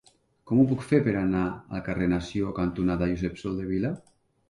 Com ho puc fer per anar al carrer Nació cantonada Josep Soldevila?